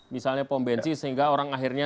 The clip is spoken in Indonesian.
misalnya pombensi sehingga orang akhirnya